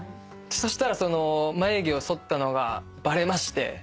そしたら眉毛をそったのがバレまして。